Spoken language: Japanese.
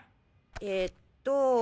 ええっと